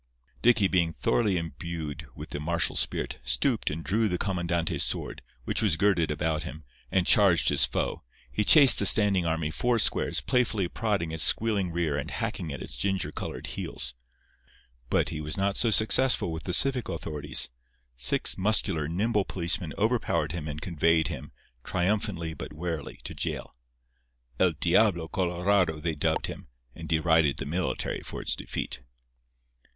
Dicky, being thoroughly imbued with the martial spirit, stooped and drew the comandante's sword, which was girded about him, and charged his foe. He chased the standing army four squares, playfully prodding its squealing rear and hacking at its ginger coloured heels. But he was not so successful with the civic authorities. Six muscular, nimble policemen overpowered him and conveyed him, triumphantly but warily, to jail. "El Diablo Colorado" they dubbed him, and derided the military for its defeat.